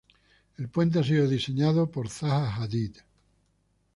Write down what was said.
El puente ha sido diseñado por Zaha Hadid.